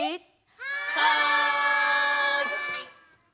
はい！